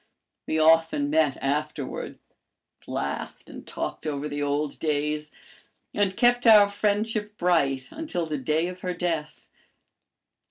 We often met afterward, laughed and talked over the old days, and kept our friendship bright until the day of her death.